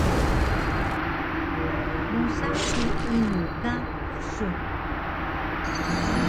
Musa su inu ka kusun?